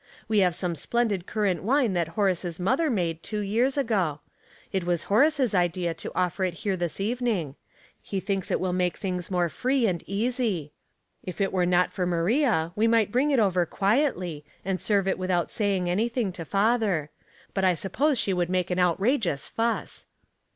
We have some splendid currant wine that Horace's mother made two years ago. It was Horace's idea to offer it here this evening^. He thinks it will make things more free and easy. If it were not for Maria we might bring it over quietly, and serve it without saying anything to father ; but I suppose she would make an outrageous fuss."